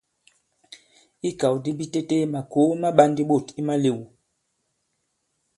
I ikàw di bitete makòo ma ɓā ndī ɓôt i malēw.